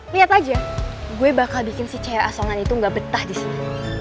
lihat aja gue bakal bikin si cea songa itu gak betah disini